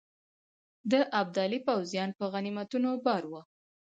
د ابدالي پوځیان په غنیمتونو بار وه.